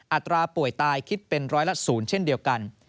อัตราป่วยตายคิดเป็นร้อยละ๐เช่นเดียวกัน